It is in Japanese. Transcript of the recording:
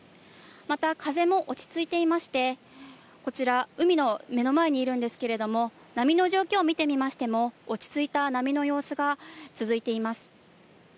また、風も落ち着いていまして、こちら、海の目の前にいるんですけれども、波の状況を見てみましても、落ち着いた波の様子が続いています。